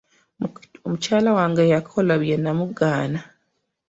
Omukyala wange yakola bye nnamugaana.